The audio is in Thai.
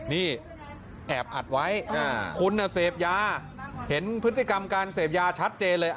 นี่แอบอัดไว้คุณเสพยาเห็นพฤติกรรมการเสพยาชัดเจนเลย